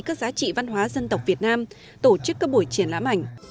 các giá trị văn hóa dân tộc việt nam tổ chức các buổi triển lãm ảnh